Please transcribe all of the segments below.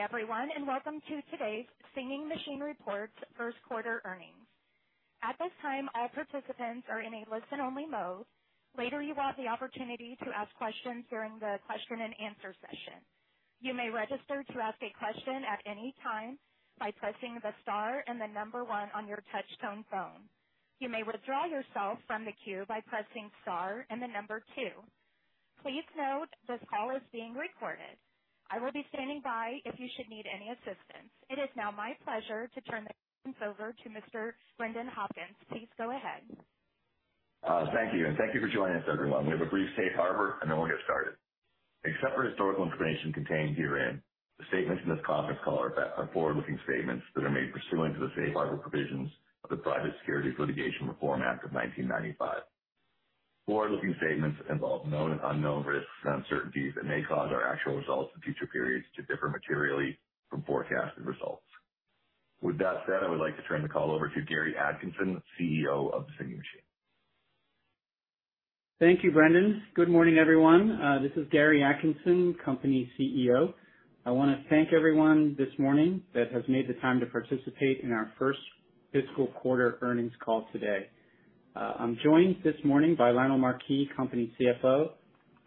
Everyone, and welcome to today's Algorhythm Holdings First Quarter Earning. At this time, all participants are in a listen only mode. Later, you will have the opportunity to ask questions during the question-and-answer session. You may register to ask a question at any time by pressing the star and the number 1 on your touch-tone phone. You may withdraw yourself from the queue by pressing star and the number 2. Please note this call is being recorded. I will be standing by if you should need any assistance. It is now my pleasure to turn the conference over to Mr. Brendan Hopkins. Please go ahead. Thank you, and thank you for joining us, everyone. We have a brief safe harbor and then we'll get started. Except for historical information contained herein, the statements in this conference call are about our forward-looking statements that are made pursuant to the safe harbor provisions of the Private Securities Litigation Reform Act of 1995. Forward-looking statements involve known and unknown risks and uncertainties that may cause our actual results in future periods to differ materially from forecasted results. With that said, I would like to turn the call over to Gary Atkinson, CEO of The Singing Machine. Thank you, Brendan. Good morning, everyone. This is Gary Atkinson, company CEO. I wanna thank everyone this morning that has made the time to participate in our first fiscal quarter earnings call today. I'm joined this morning by Lionel Marquis, company CFO,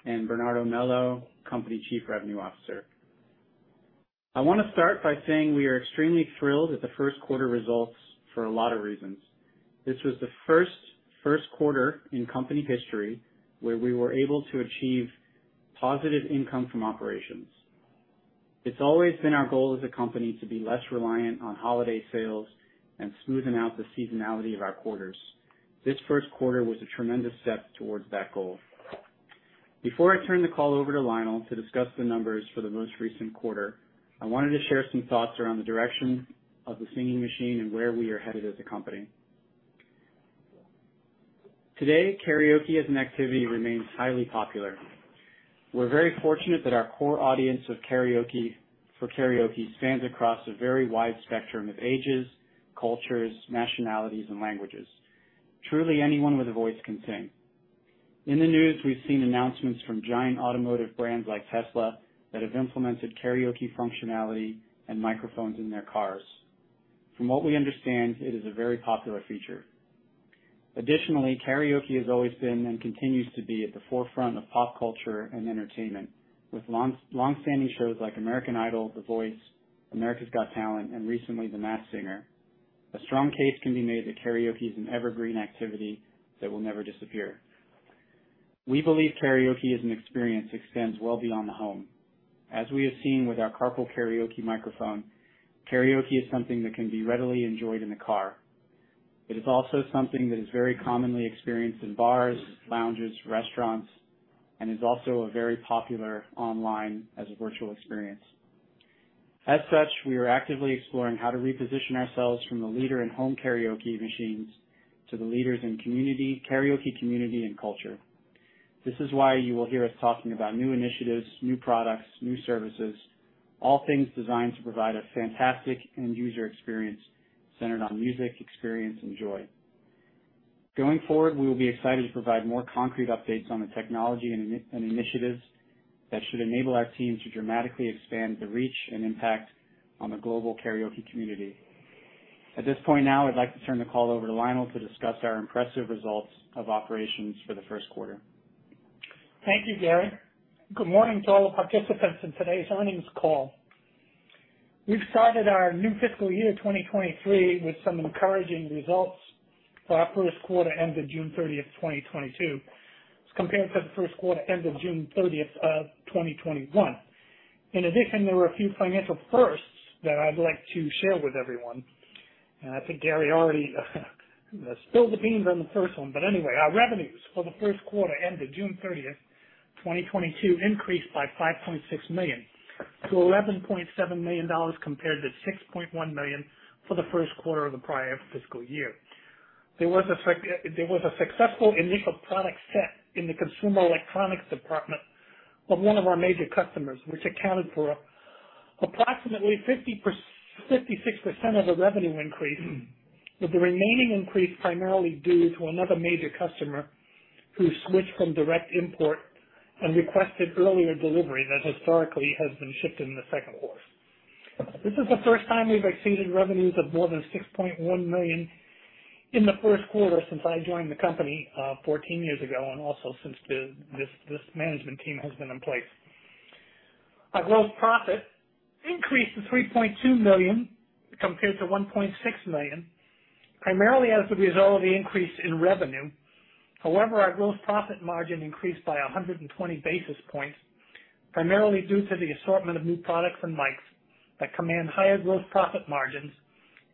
and Bernardo Melo, company Chief Revenue Officer. I wanna start by saying we are extremely thrilled with the first quarter results for a lot of reasons. This was the first quarter in company history where we were able to achieve positive income from operations. It's always been our goal as a company to be less reliant on holiday sales and smoothen out the seasonality of our quarters. This first quarter was a tremendous step towards that goal. Before I turn the call over to Lionel to discuss the numbers for the most recent quarter, I wanted to share some thoughts around the direction of The Singing Machine and where we are headed as a company. Today, karaoke as an activity remains highly popular. We're very fortunate that our core audience for karaoke spans across a very wide spectrum of ages, cultures, nationalities, and languages. Truly, anyone with a voice can sing. In the news, we've seen announcements from giant automotive brands like Tesla that have implemented karaoke functionality and microphones in their cars. From what we understand, it is a very popular feature. Additionally, karaoke has always been and continues to be at the forefront of pop culture and entertainment, with long, long-standing shows like American Idol, The Voice, America's Got Talent, and recently, The Masked Singer. A strong case can be made that karaoke is an evergreen activity that will never disappear. We believe karaoke as an experience extends well beyond the home. As we have seen with our Carpool Karaoke microphone, karaoke is something that can be readily enjoyed in the car. It is also something that is very commonly experienced in bars, lounges, restaurants, and is also very popular online as a virtual experience. As such, we are actively exploring how to reposition ourselves from a leader in home karaoke machines to the leaders in community karaoke community and culture. This is why you will hear us talking about new initiatives, new products, new services, all things designed to provide a fantastic end user experience centered on music, experience, and joy. Going forward, we will be excited to provide more concrete updates on the technology and initiatives that should enable our team to dramatically expand the reach and impact on the global karaoke community. At this point now, I'd like to turn the call over to Lionel to discuss our impressive results of operations for the first quarter. Thank you, Gary. Good morning to all the participants in today's earnings call. We've started our new fiscal year, 2023, with some encouraging results for our first quarter ended June 30, 2022, as compared to the first quarter ended June 30 of 2021. In addition, there were a few financial firsts that I'd like to share with everyone. I think Gary already spilled the beans on the first one. Anyway. Our revenues for the first quarter ended June 30, 2022, increased by $5.6 million to $11.7 million compared to $6.1 million for the first quarter of the prior fiscal year. There was a successful initial product set in the consumer electronics department of one of our major customers, which accounted for approximately 56% of the revenue increase, with the remaining increase primarily due to another major customer who switched from direct import and requested earlier delivery that historically has been shipped in the second quarter. This is the first time we've exceeded revenues of more than $6.1 million in the first quarter since I joined the company fourteen years ago, and also since this management team has been in place. Our gross profit increased to $3.2 million compared to $1.6 million, primarily as a result of the increase in revenue. However, our gross profit margin increased by 120 basis points, primarily due to the assortment of new products and mics that command higher gross profit margins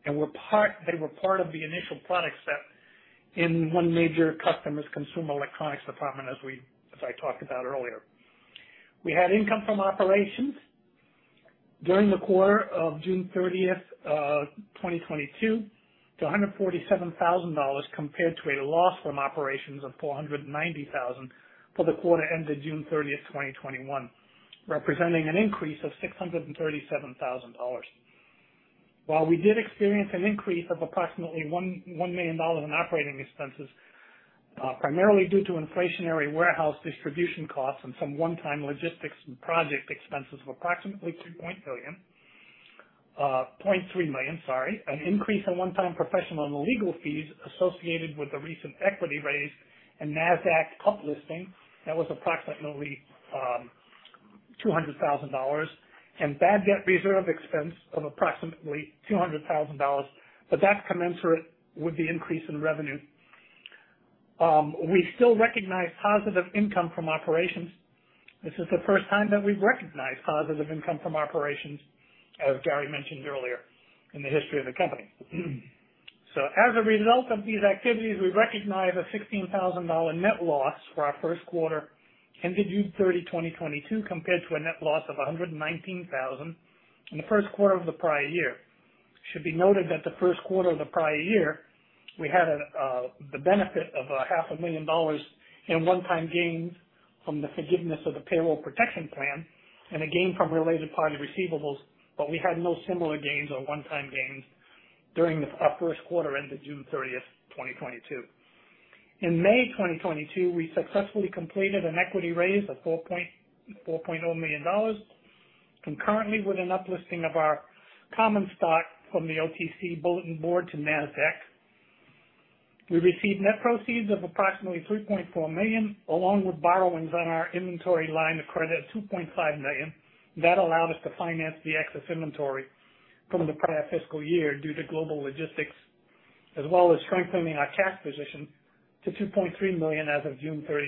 and were part of the initial product set in one major customer's consumer electronics department as I talked about earlier. We had income from operations during the quarter of June 30, 2022, to $147,000 compared to a loss from operations of $490,000 for the quarter ended June 30, 2021, representing an increase of $637,000. While we did experience an increase of approximately $1 million in operating expenses, primarily due to inflationary warehouse distribution costs and some one-time logistics and project expenses of approximately $0.3 million, an increase in one-time professional and legal fees associated with the recent equity raise and NASDAQ uplisting, that was approximately $200,000, and bad debt reserve expense of approximately $200,000, but that's commensurate with the increase in revenue. We still recognize positive income from operations. This is the first time that we've recognized positive income from operations, as Gary mentioned earlier, in the history of the company. As a result of these activities, we recognize a $16,000 net loss for our first quarter ended June 30, 2022, compared to a net loss of $119,000 in the first quarter of the prior year. It should be noted that the first quarter of the prior year, we had the benefit of half a million dollars in one-time gains from the forgiveness of the Paycheck Protection Program and a gain from related party receivables, but we had no similar gains or one-time gains during our first quarter ended June 30, 2022. In May 2022, we successfully completed an equity raise of $4.4 million concurrently with an up-listing of our common stock from the OTC Bulletin Board to NASDAQ. We received net proceeds of approximately $3.4 million, along with borrowings on our inventory line of credit of $2.5 million. That allowed us to finance the excess inventory from the prior fiscal year due to global logistics, as well as strengthening our cash position to $2.3 million as of June 30,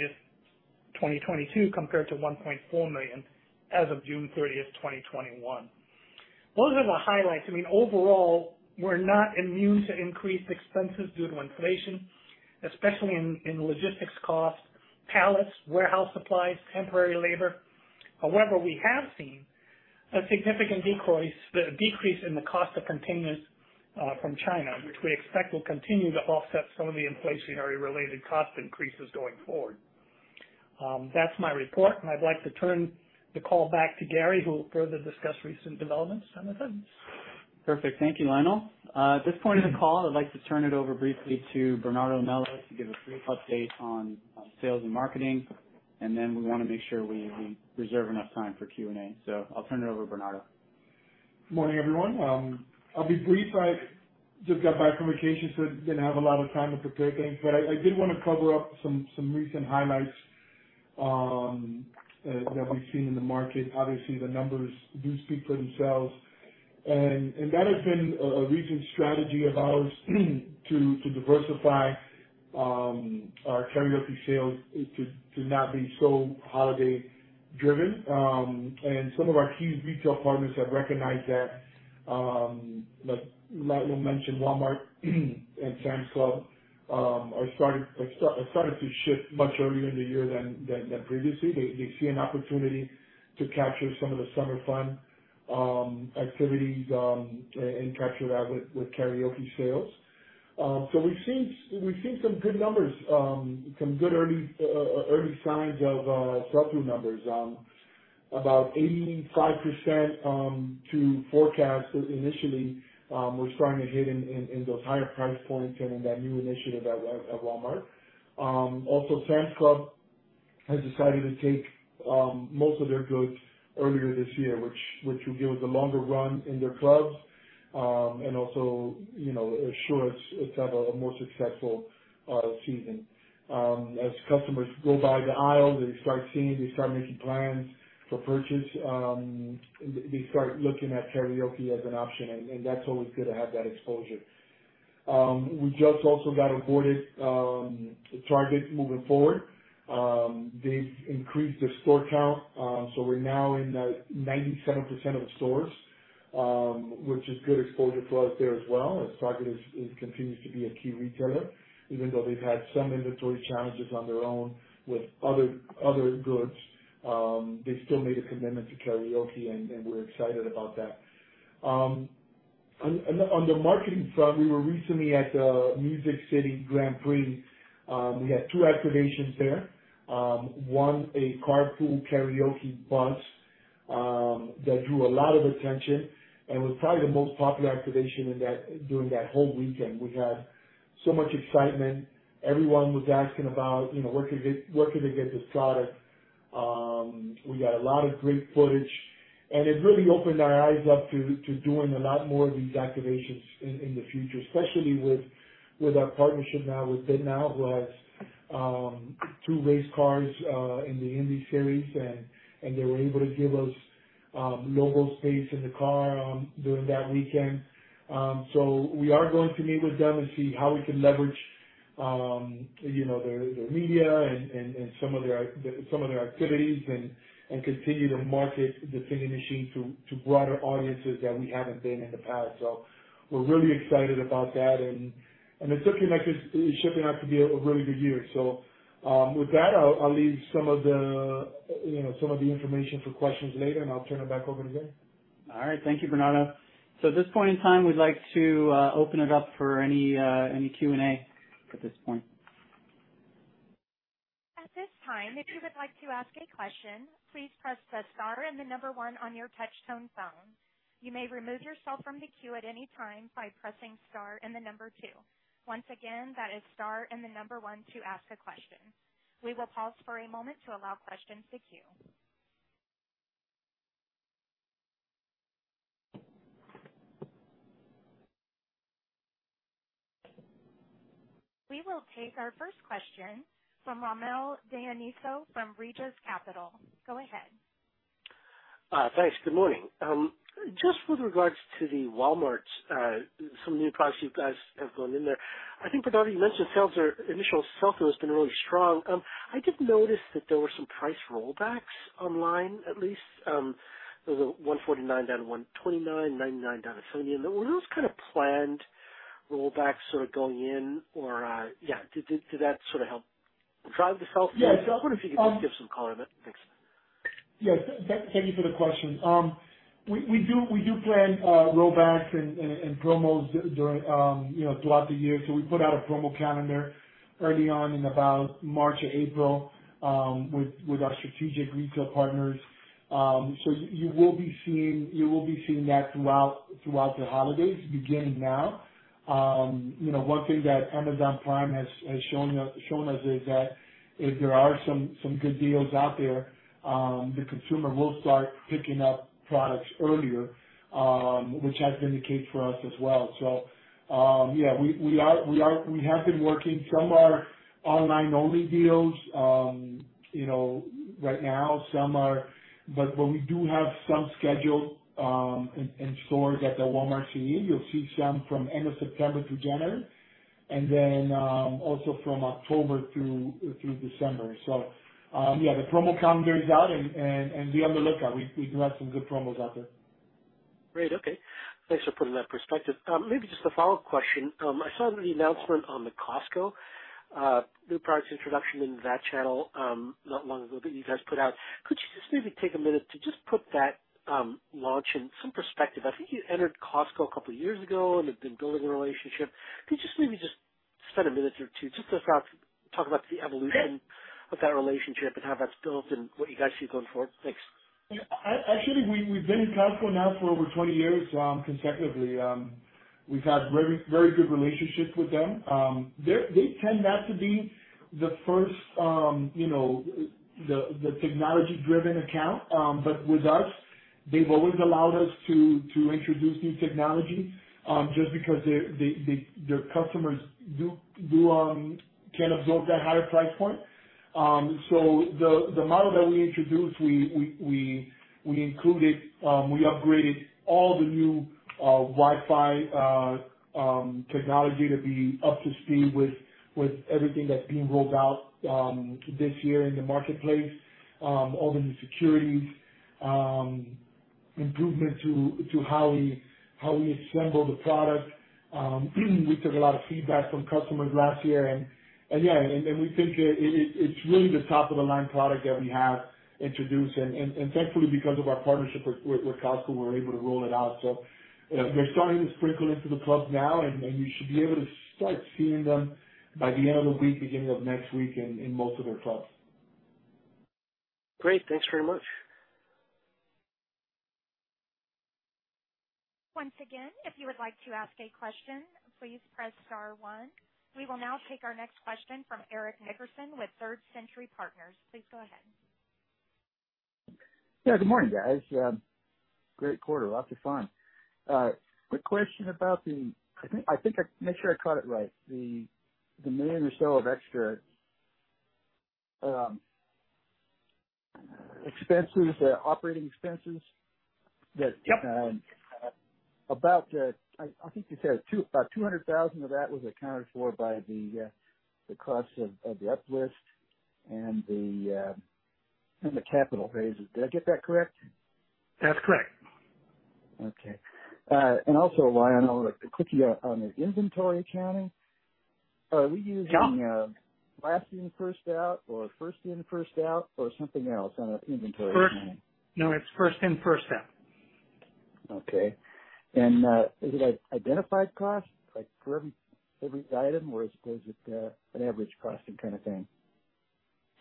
2022, compared to $1.4 million as of June 30, 2021. Those are the highlights. I mean overall, we're not immune to increased expenses due to inflation especially in logistics costs, pallets, warehouse supplies, temporary labor. However, we have seen a significant decrease in the cost of containers from China which we expect will continue to offset some of the inflationary related cost increases going forward. That's my report and I'd like to turn the call back to Gary who will further discuss recent developments and the finances. Perfect. Thank you, Lionel. At this point in the call, I'd like to turn it over briefly to Bernardo Melo to give a brief update on sales and marketing, and then we wanna make sure we reserve enough time for Q&A. I'll turn it over, Bernardo. Morning everyone. I'll be brief. I just got back from vacation so I didn't have a lot of time to prepare things. I did wanna cover up some recent highlights that we've seen in the market. Obviously, the numbers do speak for themselves and that has been a recent strategy of ours to diversify our karaoke sales to not be so holiday driven. Some of our key retail partners have recognized that. Like Lionel mentioned, Walmart and Sam's Club are starting to shift much earlier in the year than previously. They see an opportunity to capture some of the summer fun activities and capture that with karaoke sales. We've seen some good numbers, some good early signs of sell-through numbers. About 85% to forecast initially, we're starting to hit in those higher price points and in that new initiative at Walmart. Also, Sam's Club has decided to take most of their goods earlier this year, which will give us a longer run in their clubs, and also, you know, assure us let's have a more successful season. As customers go by the aisles, they start seeing, they start making plans for purchase, they start looking at karaoke as an option, and that's always good to have that exposure. We just also got onboarded to Target moving forward. They've increased their store count, so we're now in 97% of the stores, which is good exposure for us there as well, as Target continues to be a key retailer. Even though they've had some inventory challenges on their own with other goods, they still made a commitment to karaoke and we're excited about that. On the marketing front, we were recently at the Music City Grand Prix. We had two activations there. One, a Carpool Karaoke bus, that drew a lot of attention and was probably the most popular activation during that whole weekend. We had so much excitement. Everyone was asking about, you know, where can they get this product? We got a lot of great footage, and it really opened our eyes up to doing a lot more of these activations in the future, especially with our partnership now with BitNile, who has two race cars in the IndyCar Series and they were able to give us logo space in the car during that weekend. We are going to meet with them and see how we can leverage, you know, their media and some of their activities and continue to market the Singing Machine to broader audiences that we haven't been in the past. We're really excited about that and it's looking like it's shaping up to be a really good year. With that, I'll leave some of the information for questions later and I'll turn it back over to Gary. All right. Thank you Bernardo. At this point in time, we'd like to open it up for any Q&A at this point. At this time, if you would like to ask a question, please press the star and the number 1 on your touchtone phone. You may remove yourself from the queue at any time by pressing star and the number 2. Once again, that is star and the number 1 to ask a question. We will pause for a moment to allow questions to queue. We will take our first question from Rommel Dionisio from Aegis Capital. Go ahead. Thanks. Good morning, just with regards to the Walmart, some new products you guys have going in there. I think Bernardo Melo mentioned sales are initial software's been really strong. I did notice that there were some price rollbacks online, at least. There was a $149 down to $129, $99 down to $79. Were those kinds of planned rollbacks sort of going in or yeah. Did that sort of help drive the sales? Yes. I wonder if you could just give some color on that. Thanks. Yes. Thank you for the question. We do plan rollbacks and promos during, you know, throughout the year. We put out a promo calendar early on in about March or April with our strategic retail partners. You will be seeing that throughout the holidays, beginning now. You know, one thing that Amazon Prime has shown us is that if there are some good deals out there, the consumer will start picking up products earlier, which has been the case for us as well. We have been working. Some are online-only deals, you know, right now. We do have some scheduled in stores at the Walmart CD. You'll see some from end of September to January, and then also from October through December. Yeah, the promo calendar is out and be on the lookout. We do have some good promos out there. Great. Okay. Thanks for putting that in perspective. Maybe just a follow-up question. I saw the announcement on the Costco new products introduction in that channel not long ago that you guys put out. Could you just maybe take a minute to just put that launch in some perspective? I think you entered Costco a couple years ago and have been building a relationship. Could you just maybe just spend a minute or two just to talk about the evolution. Sure. Of that relationship and how that's built and what you guys see going forward? Thanks. Yeah. Actually, we've been in Costco now for over 20 years consecutively. We've had very good relationships with them. They tend not to be the first, you know, the technology-driven account. But with us, they've always allowed us to introduce new technology just because their customers can absorb that higher price point. So the model that we introduced, we upgraded all the new Wi-Fi technology to be up to speed with everything that's being rolled out this year in the marketplace. All the new security improvements to how we assemble the product. We took a lot of feedback from customers last year and yeah. We think it's really the top of the line product that we have introduced. Thankfully because of our partnership with Costco, we're able to roll it out. They're starting to sprinkle into the clubs now and you should be able to start seeing them by the end of the week beginning of next week in most of their clubs. Great. Thanks very much. Once again, if you would like to ask a question, please press star one. We will now take our next question from Eric Nickerson with Third Century Partners. Please go ahead. Yeah, good morning, guys. Great quarter. Lots of fun. Quick question. I think I make sure I caught it right. The $1 million or so of extra expenses, the operating expenses that Yep. I think you said about $200,000 of that was accounted for by the cost of the uplisting and the capital raises. Did I get that correct? That's correct. Okay. Also, Lionel, quickly on the inventory accounting. Yeah. Are we using last in, first out or first in, first out or something else on our inventory accounting? It's first in, first out. Okay. Is it identified cost, like, for every item or is it an average costing kind of thing?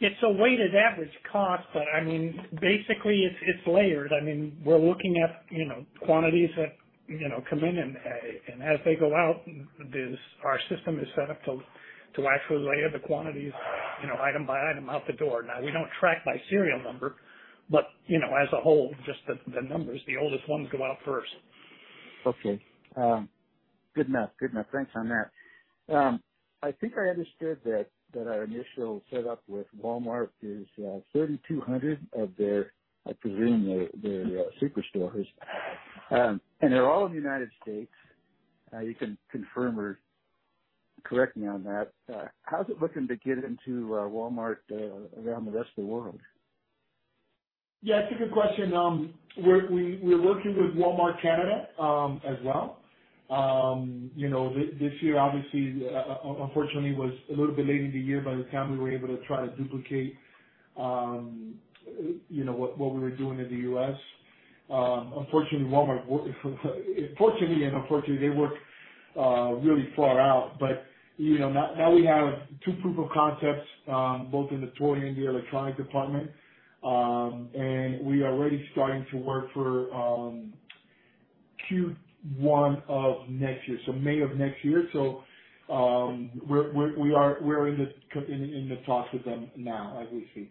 It's a weighted average cost, but I mean, basically it's layered. I mean, we're looking at, you know, quantities that, you know, come in and as they go out, our system is set up to actually layer the quantities, you know, item by item out the door. Now, we don't track by serial number, but, you know, as a whole, just the numbers, the oldest ones go out first. Okay. Good math. Thanks on that. I think I understood that our initial set up with Walmart is 3,200 of their, I presume their superstores. They're all in the United States. You can confirm or correct me on that. How's it looking to get into Walmart around the rest of the world? Yeah, it's a good question. We're working with Walmart Canada, as well. You know, this year obviously unfortunately was a little bit late in the year by the time we were able to try to duplicate, you know, what we were doing in the US. Unfortunately, Walmart, fortunately and unfortunately, they work really far out. You know, now we have two proof of concepts, both in the toy and the electronics department. We are already starting to work for Q1 of next year, so May of next year. We're in the talks with them now as we speak.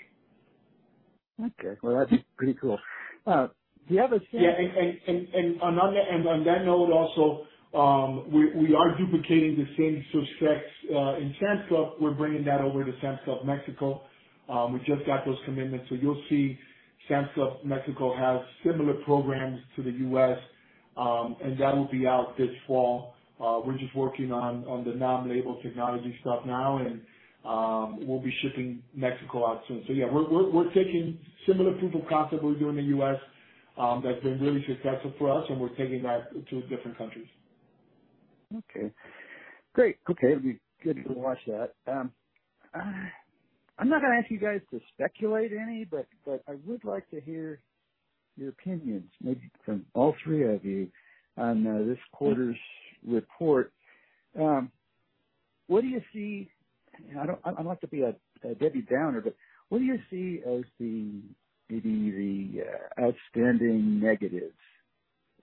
Okay. Well, that's pretty cool. Yeah. On that note, also, we are duplicating the same success in Sam's Club. We're bringing that over to Sam's Club México. We just got those commitments. You'll see Sam's Club México have similar programs to the U.S., and that will be out this fall. We're just working on the non-label technology stuff now, and we'll be shipping Mexico out soon. Yeah, we're taking similar proof of concept we're doing in the U.S., that's been really successful for us, and we're taking that to different countries. Okay, great. Okay. It'll be good to watch that. I'm not gonna ask you guys to speculate any, but I would like to hear your opinions, maybe from all three of you on this quarter's report. I don't like to be a Debbie Downer, but what do you see as the, maybe the outstanding negatives,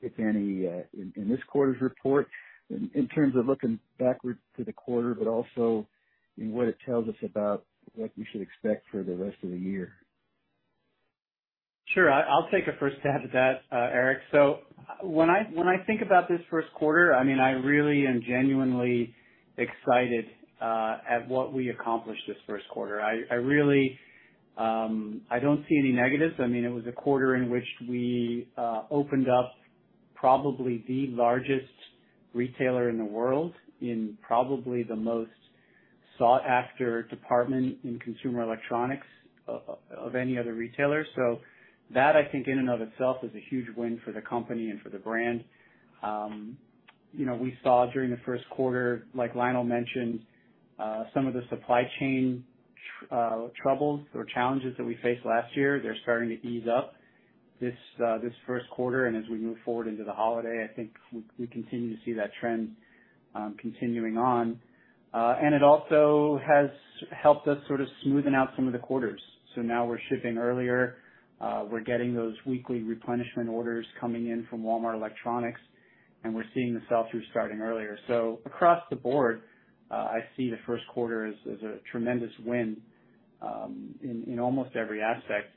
if any, in this quarter's report in terms of looking backwards for the quarter, but also in what it tells us about what we should expect for the rest of the year? I'll take a first stab at that, Eric. When I think about this first quarter, I mean, I really am genuinely excited at what we accomplished this first quarter. I really don't see any negatives. I mean, it was a quarter in which we opened up probably the largest retailer in the world in probably the most sought-after department in consumer electronics of any other retailer. That, I think, in and of itself is a huge win for the company and for the brand. You know, we saw during the first quarter, like Lionel mentioned, some of the supply chain troubles or challenges that we faced last year. They're starting to ease up this first quarter. As we move forward into the holiday, I think we continue to see that trend continuing on. It also has helped us sort of smoothen out some of the quarters. Now we're shipping earlier. We're getting those weekly replenishment orders coming in from Walmart Electronics, and we're seeing the sell-through starting earlier. Across the board, I see the first quarter as a tremendous win in almost every aspect.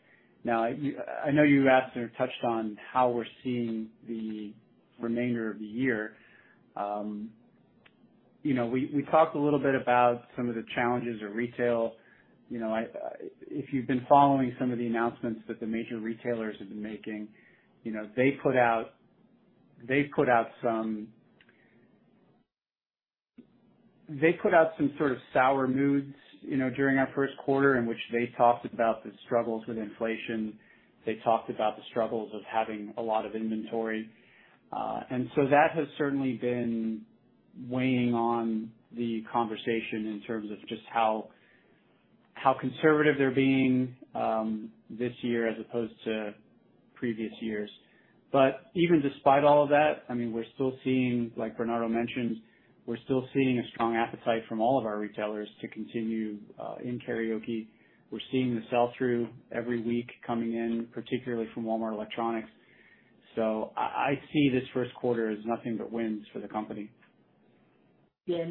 Now, I know you asked or touched on how we're seeing the remainder of the year. You know, we talked a little bit about some of the challenges of retail. You know, I, if you've been following some of the announcements that the major retailers have been making, you know, they've put out some. They put out some sort of sour moods, you know, during our first quarter in which they talked about the struggles with inflation. They talked about the struggles of having a lot of inventory. That has certainly been weighing on the conversation in terms of just how conservative they're being, this year as opposed to previous years. Even despite all of that, I mean, we're still seeing like Bernardo mentioned. We're still seeing a strong appetite from all of our retailers to continue in karaoke. We're seeing the sell-through every week coming in, particularly from Walmart Electronics. I see this first quarter as nothing but wins for the company. Yeah.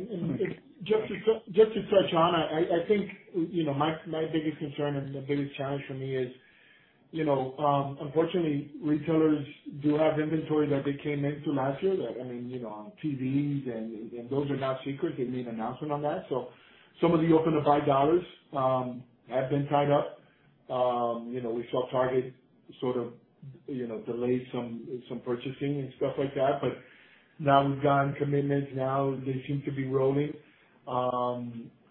Just to touch on, I think you know my biggest concern and the biggest challenge for me is you know unfortunately retailers do have inventory that they came into last year that I mean you know on TVs and those are not secret. They made an announcement on that. Some of the open to buy dollars have been tied up. You know we saw Target sort of you know delay some purchasing and stuff like that, but now we've gotten commitments. Now they seem to be rolling.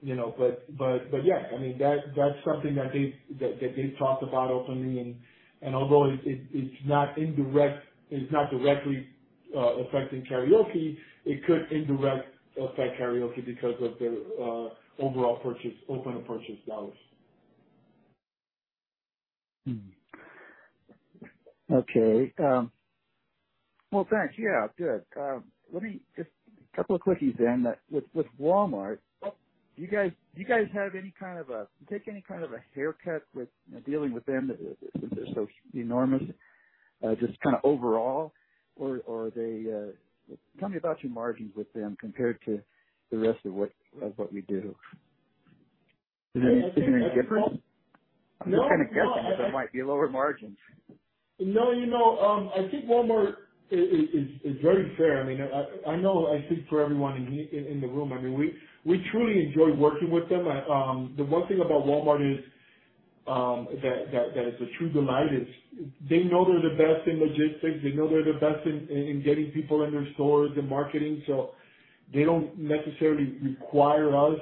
You know but yeah, I mean that's something that they've talked about openly. Although it's not directly affecting Karaoke, it could indirectly affect Karaoke because of the overall purchase open to purchase dollars. Okay. Well, thanks. Yeah. Good. A couple of quickies then. With Walmart, do you guys have any kind of a haircut with dealing with them since they're so enormous, just kinda overall? Tell me about your margins with them compared to the rest of what we do. Do they sit in any different? No. I'm just kinda guessing that there might be lower margins. No, you know, I think Walmart is very fair. I mean, I know I speak for everyone in here, in the room. I mean, we truly enjoy working with them. The one thing about Walmart is that that is a true delight, they know they're the best in logistics. They know they're the best in getting people in their stores and marketing, so they don't necessarily require us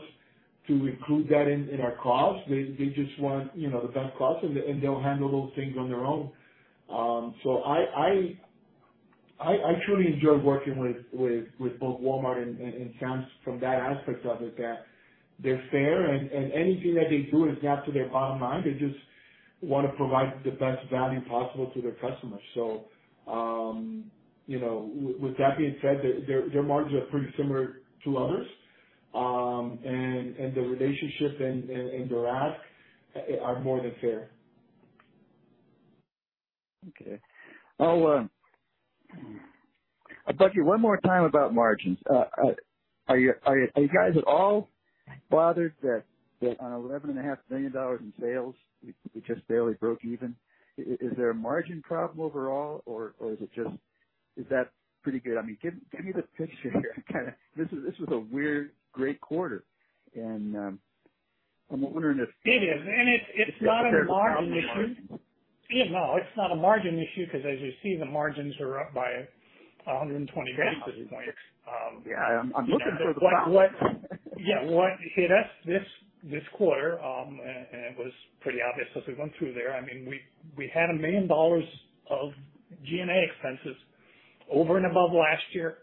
to include that in our costs. They just want, you know, the best costs, and they'll handle those things on their own. So, I truly enjoy working with both Walmart and Sam's from that aspect of it, that they're fair and anything that they do is not to their bottom line. They just wanna provide the best value possible to their customers. You know, with that being said, their margins are pretty similar to others. The relationship and their asks are more than fair. Okay. I'll bug you one more time about margins. Are you guys at all bothered that on $11.5 million in sales, we just barely broke even? Is there a margin problem overall, or is it just? Is that pretty good? I mean, give me the picture here. This was a weird, great quarter, and I'm wondering if It is. If you're prepared to comment on margins? It's not a margin issue. You know, it's not a margin issue because as you see, the margins are up by 120 basis points. Yeah. I'm looking for the but. What hit us this quarter, and it was pretty obvious as we went through there. I mean, we had $1 million of G&A expenses over and above last year.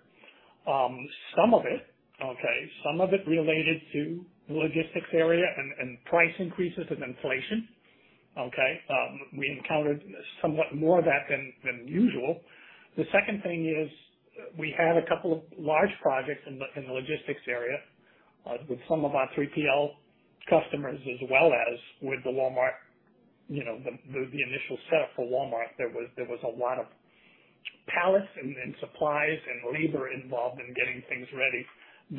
Some of it related to the logistics area and price increases and inflation. Okay? We encountered somewhat more of that than usual. The second thing is, we had a couple of large projects in the logistics area with some of our 3PL customers as well as with Walmart, you know, the initial setup for Walmart. There was a lot of pallets and supplies and labor involved in getting things ready.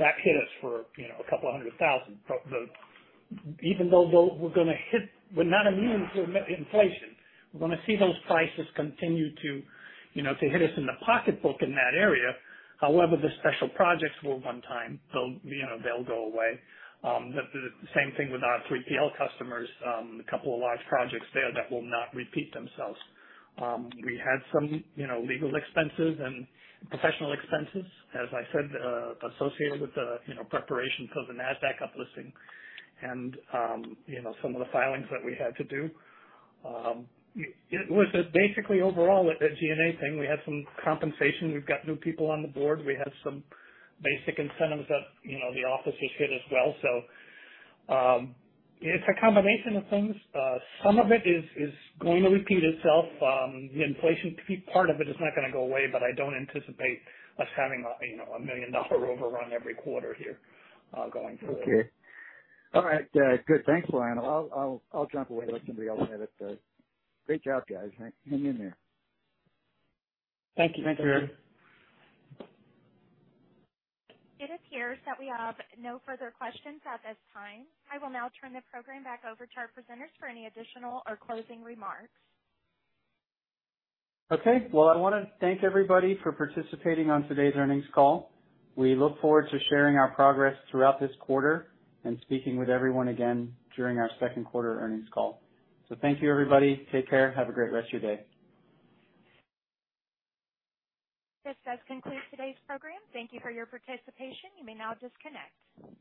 That hit us for, you know, couple of $100,000. We're not immune to inflation. We're gonna see those prices continue to, you know, to hit us in the pocketbook in that area. However, the special projects were one time. They'll, you know, they'll go away. The same thing with our 3PL customers. A couple of large projects there that will not repeat themselves. We had some, you know, legal expenses and professional expenses, as I said, associated with the, you know, preparation for the NASDAQ uplisting and, you know, some of the filings that we had to do. It was basically overall a G&A thing. We had some compensation. We've got new people on the board. We had some basic incentives that, you know, the officers hit as well. It's a combination of things. Some of it is going to repeat itself. The inflation part of it is not gonna go away but I don't anticipate us having a, you know, a $1 million overrun every quarter here, going forward. Okay. All right. Good. Thanks, Lionel. I'll jump away and let somebody else at it but great job guys. Hang in there. Thank you. Sure. It appears that we have no further questions at this time. I will now turn the program back over to our presenters for any additional or closing remarks. Okay. Well, I wanna thank everybody for participating on today's earnings call. We look forward to sharing our progress throughout this quarter and speaking with everyone again during our second quarter earnings call. Thank you, everybody. Take care. Have a great rest of your day. This does conclude today's program. Thank you for your participation. You may now disconnect.